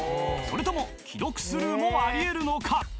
それとも既読スルーもありえるのか？